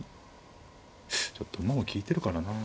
ちょっと馬も利いてるからな。